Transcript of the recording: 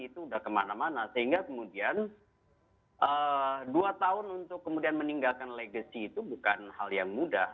itu sudah kemana mana sehingga kemudian dua tahun untuk kemudian meninggalkan legacy itu bukan hal yang mudah